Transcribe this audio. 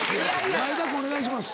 前田君お願いします。